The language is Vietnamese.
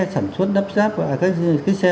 sản xuất nắp ráp các cái xe